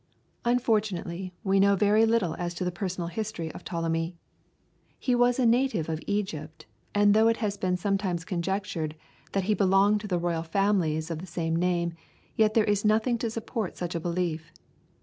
Unfortunately, we know very little as to the personal history of Ptolemy. He was a native of Egypt, and though it has been sometimes conjectured that he belonged to the royal families of the same name, yet there is nothing to support such a belief.